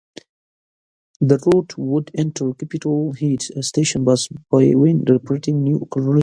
The route would enter Capitol Heights station bus bays when operating to New Carrollton.